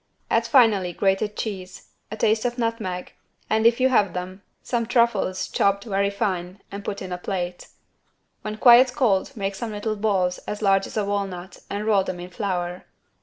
Add finally grated cheese, a taste of nutmeg, and, if you have them, some truffles chopped very fine and put in a plate. When quite cold make some little balls as large as a walnut and roll them in flour.